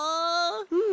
うん。